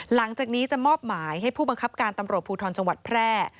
หลังจากนี้จะมอบหมายให้ผู้บังคับการตำรวจภูทรจังหวัดแพร่